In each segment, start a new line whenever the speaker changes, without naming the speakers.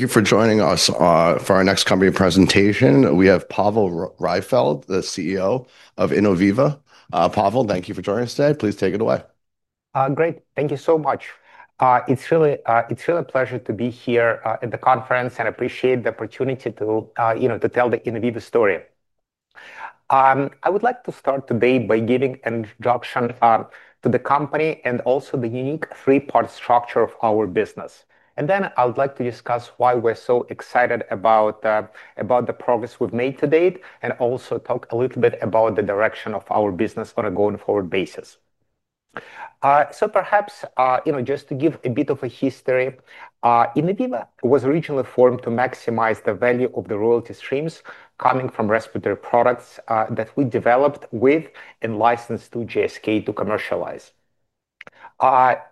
Thank you for joining us for our next company presentation. We have Pavel Raifeld, the CEO of Innoviva. Pavel, thank you for joining us today. Please take it away.
Great, thank you so much. It's really a pleasure to be here at the conference, and I appreciate the opportunity to tell the Innoviva story. I would like to start today by giving an introduction to the company and also the unique three-part structure of our business. I would like to discuss why we're so excited about the progress we've made to date and also talk a little bit about the direction of our business on a going-forward basis. Perhaps, you know, just to give a bit of a history, Innoviva was originally formed to maximize the value of the royalty streams coming from respiratory products that we developed with and licensed through Glaxo Group Limited (GSK) to commercialize.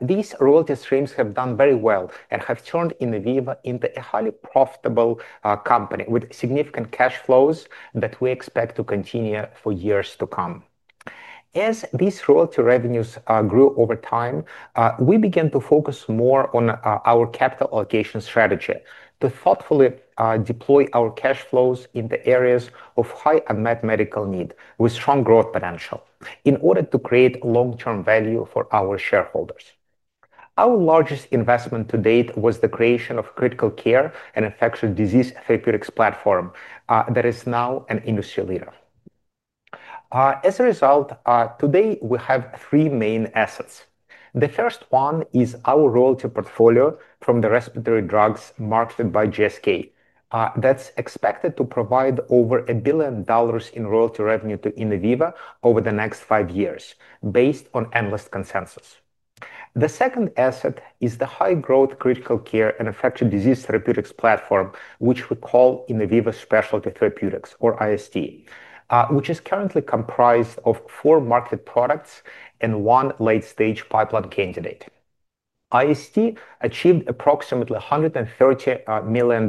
These royalty streams have done very well and have turned Innoviva into a highly profitable company with significant cash flows that we expect to continue for years to come. As these royalty revenues grew over time, we began to focus more on our capital allocation strategy to thoughtfully deploy our cash flows in the areas of high unmet medical need with strong growth potential in order to create long-term value for our shareholders. Our largest investment to date was the creation of a critical care and infectious disease therapeutics platform that is now an industry leader. As a result, today we have three main assets. The first one is our royalty portfolio from the respiratory drugs marketed by Glaxo Group Limited (GSK). That's expected to provide over $1 billion in royalty revenue to Innoviva over the next five years based on analyst consensus. The second asset is the high-growth critical care and infectious disease therapeutics platform, which we call Innoviva Specialty Therapeutics or IST, which is currently comprised of four marketed products and one late-stage pipeline candidate. IST achieved approximately $130 million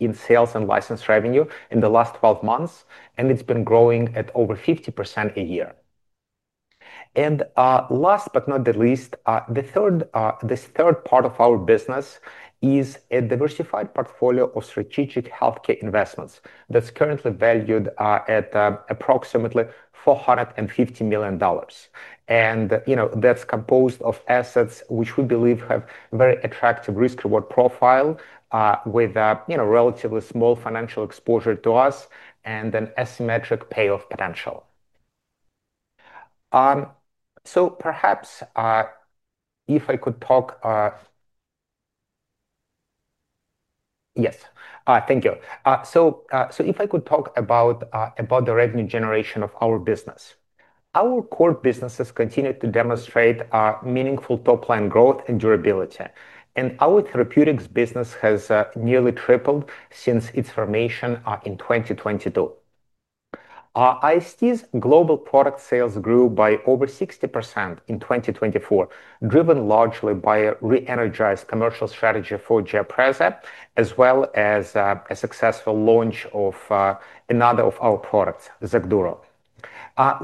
in sales and license revenue in the last 12 months, and it's been growing at over 50% a year. Last but not least, this third part of our business is a diversified portfolio of strategic healthcare investments that's currently valued at approximately $450 million. You know that's composed of assets which we believe have a very attractive risk-reward profile with a relatively small financial exposure to us and an asymmetric payoff potential. Perhaps, if I could talk... Yes, thank you. If I could talk about the revenue generation of our business, our core businesses continue to demonstrate meaningful top-line growth and durability. Our therapeutics business has nearly tripled since its formation in 2022. IST's global product sales grew by over 60% in 2024, driven largely by a re-energized commercial strategy for GIAPREZA®, as well as a successful launch of another of our products, XACDURO®.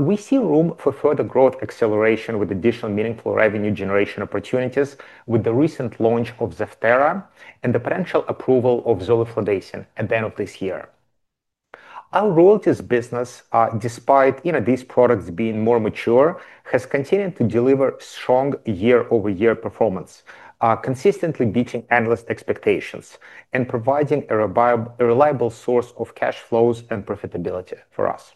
We see room for further growth acceleration with additional meaningful revenue generation opportunities with the recent launch of ZEVTERA® and the potential approval of zoliflodacin at the end of this year. Our royalty business, despite these products being more mature, has continued to deliver strong year-over-year performance, consistently beating analyst expectations and providing a reliable source of cash flows and profitability for us.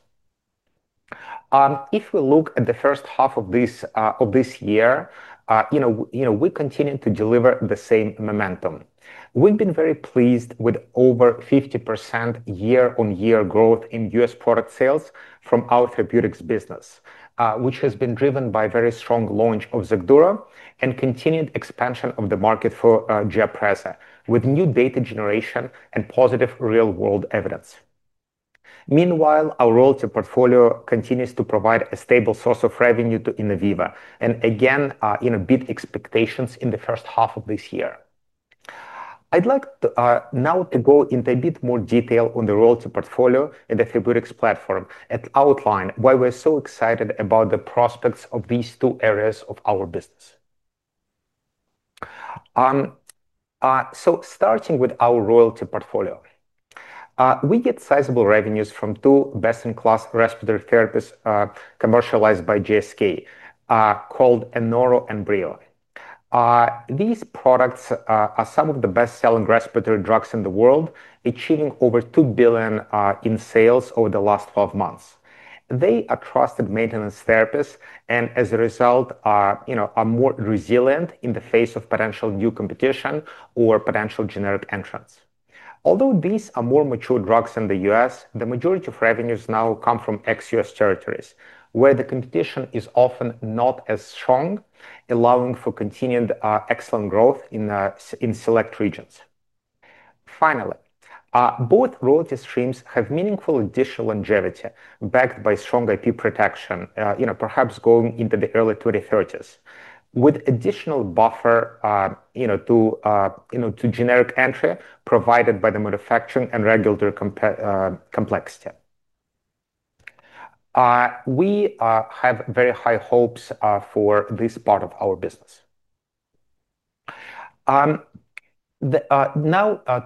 If we look at the first half of this year, we continue to deliver the same momentum. We've been very pleased with over 50% year-on-year growth in US product sales from our therapeutics business, which has been driven by a very strong launch of XACDURO® and continued expansion of the market for GIAPREZA® with new data generation and positive real-world evidence. Meanwhile, our royalty portfolio continues to provide a stable source of revenue to Innoviva and again beat expectations in the first half of this year. I'd like now to go into a bit more detail on the royalty portfolio and the therapeutics platform and outline why we're so excited about the prospects of these two areas of our business. Starting with our royalty portfolio, we get sizable revenues from two best-in-class respiratory therapies commercialized by Glaxo Group Limited (GSK) called ANORO® ELLIPTA® and RELVAR®/BREO® ELLIPTA®. These products are some of the best-selling respiratory drugs in the world, achieving over $2 billion in sales over the last 12 months. They are trusted maintenance therapies and, as a result, are more resilient in the face of potential new competition or potential generic entrants. Although these are more mature drugs in the US, the majority of revenues now come from ex-US territories, where the competition is often not as strong, allowing for continued excellent growth in select regions. Finally, both royalty streams have meaningful additional longevity backed by strong intellectual property protection, perhaps going into the early 2030s, with additional buffer to generic entry provided by the manufacturing and regulatory complexity. We have very high hopes for this part of our business. Now,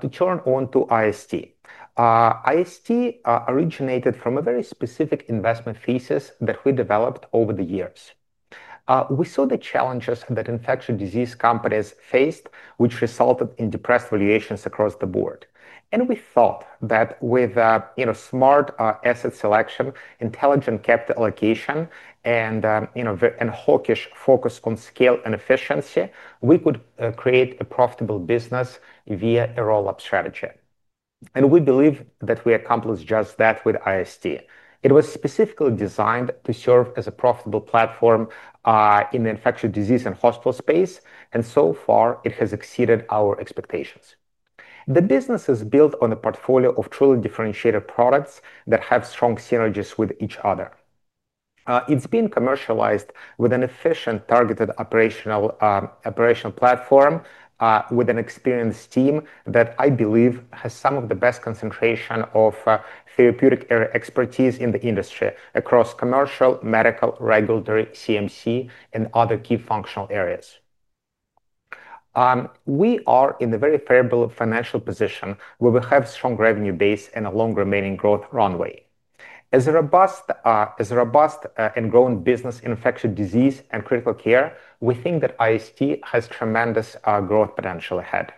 to turn onto IST. IST originated from a very specific investment thesis that we developed over the years. We saw the challenges that infectious disease companies faced, which resulted in depressed valuations across the board. We thought that with a smart asset selection, intelligent capital allocation, and a hawkish focus on scale and efficiency, we could create a profitable business via a roll-up strategy. We believe that we accomplished just that with IST. It was specifically designed to serve as a profitable platform in the infectious disease and hospital space, and so far it has exceeded our expectations. The business is built on a portfolio of truly differentiated products that have strong synergies with each other. It's been commercialized with an efficient, targeted operational platform with an experienced team that I believe has some of the best concentration of therapeutic area expertise in the industry across commercial, medical, regulatory, CMC, and other key functional areas. We are in a very favorable financial position where we have a strong revenue base and a long remaining growth runway. As a robust and growing business in infectious disease and critical care, we think that IST has tremendous growth potential ahead.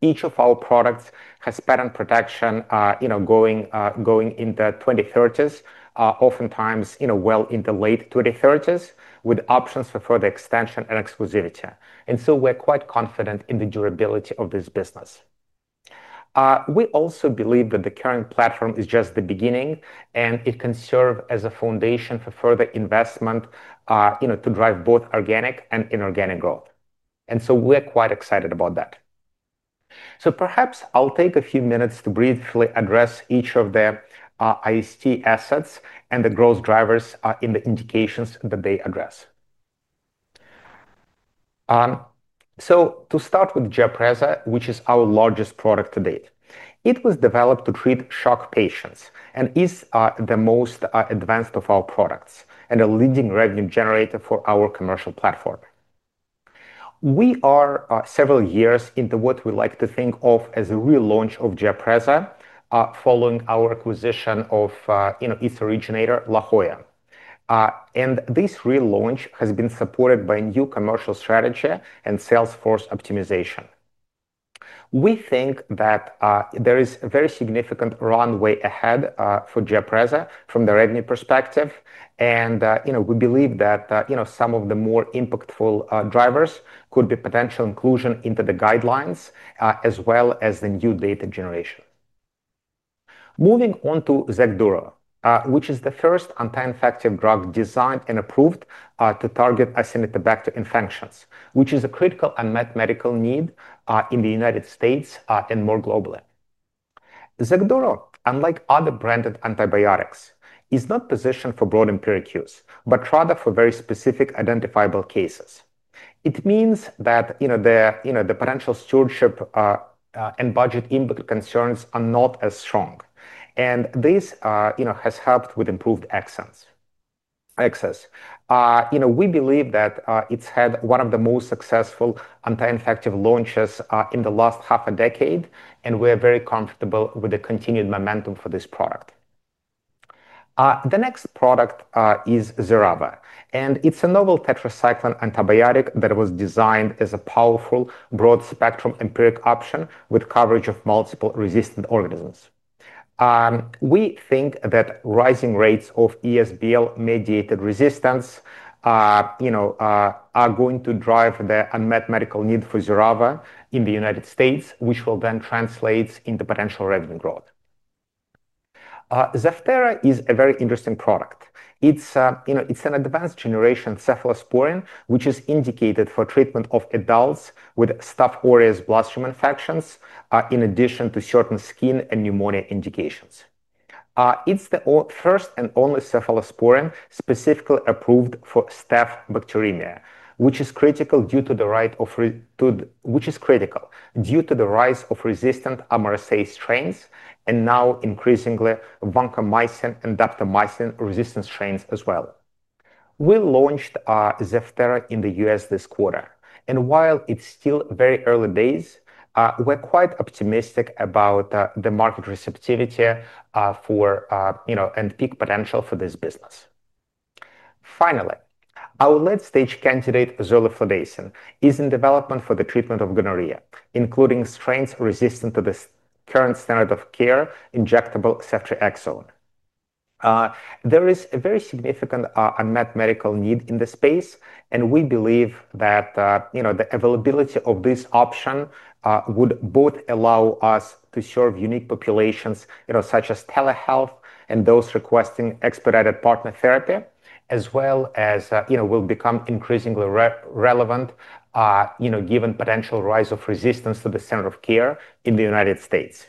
Each of our products has patent protection going into the 2030s, oftentimes well into the late 2030s, with options for further extension and exclusivity. We are quite confident in the durability of this business. We also believe that the current platform is just the beginning, and it can serve as a foundation for further investment to drive both organic and inorganic growth. We are quite excited about that. Perhaps I'll take a few minutes to briefly address each of the IST assets and the growth drivers in the indications that they address. To start with GIAPREZA®, which is our largest product to date, it was developed to treat shock patients and is the most advanced of our products and a leading revenue generator for our commercial platform. We are several years into what we like to think of as a relaunch of GIAPREZA® following our acquisition of its originator, La Jolla Pharmaceutical Company. This relaunch has been supported by a new commercial strategy and sales force optimization. We think that there is a very significant runway ahead for GIAPREZA® from the revenue perspective, and we believe that some of the more impactful drivers could be potential inclusion into the guidelines as well as the new data generation. Moving on to XACDURO®, which is the first anti-infective drug designed and approved to target acinetobacter infections, which is a critical unmet medical need in the U.S. and more globally. XACDURO®, unlike other branded antibiotics, is not positioned for broadened peer reviews, but rather for very specific identifiable cases. It means that the potential stewardship and budget impact concerns are not as strong, and this has helped with improved access. We believe that it's had one of the most successful anti-infective launches in the last half a decade, and we're very comfortable with the continued momentum for this product. The next product is XERAVA®, and it's a novel tetracycline antibiotic that was designed as a powerful, broad-spectrum empiric option with coverage of multiple resistant organisms. We think that rising rates of ESBL-mediated resistance are going to drive the unmet medical need for XERAVA® in the U.S., which will then translate into potential revenue growth. ZEVTERA® is a very interesting product. It's an advanced generation cephalosporin, which is indicated for treatment of adults with Staphylococcus aureus bacteremia infections, in addition to certain skin and pneumonia indications. It's the first and only cephalosporin specifically approved for Staphylococcus bacteremia, which is critical due to the rise of resistant MRSA strains and now increasingly vancomycin and daptomycin resistant strains as well. We launched ZEVTERA® in the U.S. this quarter, and while it's still very early days, we're quite optimistic about the market receptivity and peak potential for this business. Finally, our late-stage candidate zoliflodacin is in development for the treatment of gonorrhea, including strains resistant to the current standard of care, injectable ceftriaxone. There is a very significant unmet medical need in this space, and we believe that the availability of this option would both allow us to serve unique populations such as telehealth and those requesting expedited partner therapy, as well as will become increasingly relevant given the potential rise of resistance to the standard of care in the U.S.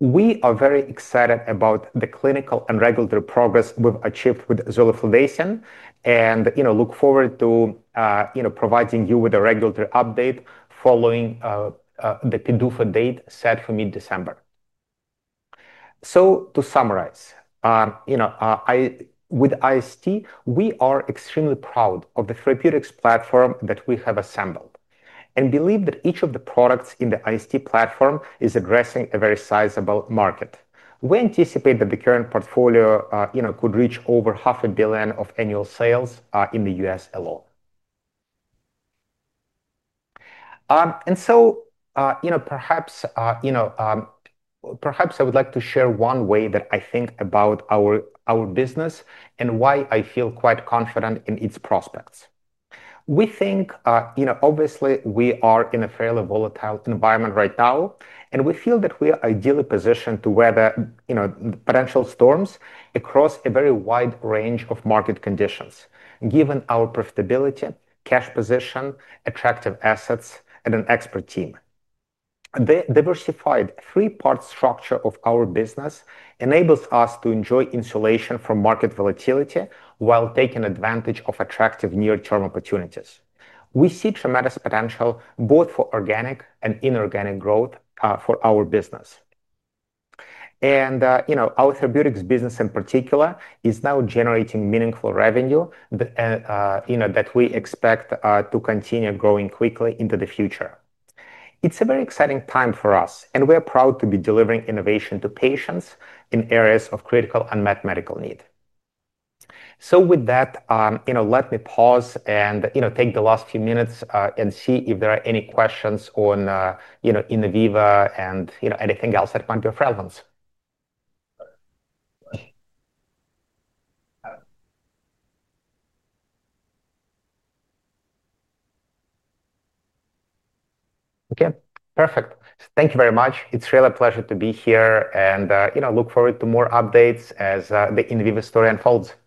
We are very excited about the clinical and regulatory progress we've achieved with zoliflodacin and look forward to providing you with a regulatory update following the PDUFA date set for mid-December. To summarize, with IST, we are extremely proud of the therapeutics platform that we have assembled and believe that each of the products in the IST platform is addressing a very sizable market. We anticipate that the current portfolio could reach over $500 million of annual sales in the U.S. alone. Perhaps I would like to share one way that I think about our business and why I feel quite confident in its prospects. We think, obviously, we are in a fairly volatile environment right now, and we feel that we are ideally positioned to weather potential storms across a very wide range of market conditions, given our profitability, cash position, attractive assets, and an expert team. The diversified three-part structure of our business enables us to enjoy insulation from market volatility while taking advantage of attractive near-term opportunities. We see tremendous potential both for organic and inorganic growth for our business. Our therapeutics business in particular is now generating meaningful revenue that we expect to continue growing quickly into the future. It's a very exciting time for us, and we are proud to be delivering innovation to patients in areas of critical unmet medical need. With that, let me pause and take the last few minutes and see if there are any questions on Innoviva and anything else that might be of relevance. Okay, perfect. Thank you very much. It's really a pleasure to be here, and I look forward to more updates as the Innoviva story unfolds. Thank you.